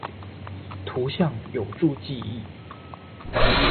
圖像有助記憶！